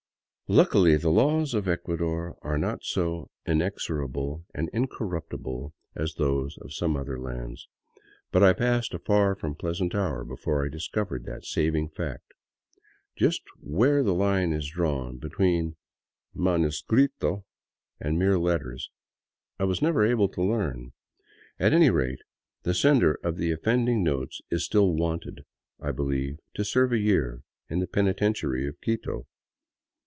Luckily the laws of Ecuador are not so inexorable and incorruptible as those of some other lands, but I passed a far from pleasant hour be fore I discovered that saving fact. Just where the line is drawn between " manuscrito " and mere letters, I was never able to learn. At any rate the sender of the offending notes is still " wanted," I be lieve, to serve a year in the penitentiary of Quito.